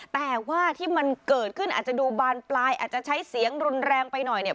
แต่ว่าที่มันเกิดขึ้นอาจจะดูบานปลายอาจจะใช้เสียงรุนแรงไปหน่อยเนี่ย